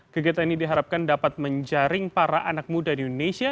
kegiatan ini diharapkan dapat menjaring para anak muda di indonesia